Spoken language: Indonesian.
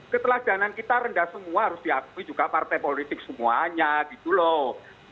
keteladanan kita rendah semua harus diakui juga partai politik semuanya gitu loh